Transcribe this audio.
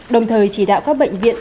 đồng thời chỉ đạo các bệnh viện